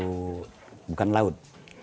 mahal bukan laut